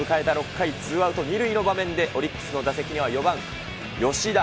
６回、ツーアウト２塁の場面でオリックスの打席には、４番吉田。